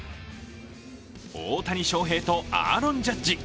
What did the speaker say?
大谷翔平とアーロン・ジャッジ。